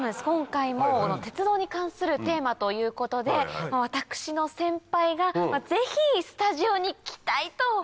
今回も鉄道に関するテーマということで私の先輩がぜひスタジオに来たいと。